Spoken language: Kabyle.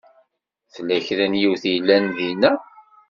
Tella kra n yiwet i yellan dinna?